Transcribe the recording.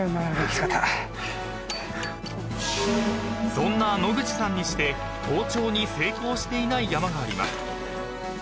［そんな野口さんにして登頂に成功していない山があります］